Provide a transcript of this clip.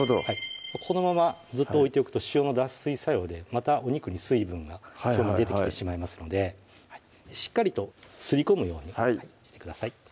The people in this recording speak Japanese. このままずっと置いておくと塩の脱水作用でまたお肉に水分が表面に出てきてしまいますのでしっかりとすり込むようにしてください